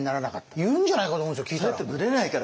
言うんじゃないかと思うんです聞いたら。